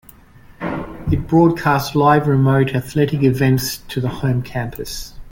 It broadcast live remote athletic events to the home campus.